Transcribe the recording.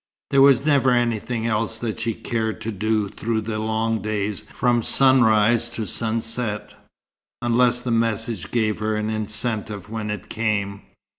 There was never anything else that she cared to do through the long days from sunrise to sunset, unless the message gave her an incentive when it came.